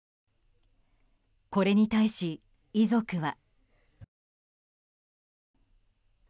これに対し、遺族は。